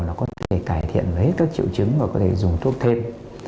nó có thể cải thiện với hết các triệu chứng và có thể dùng thuốc thêm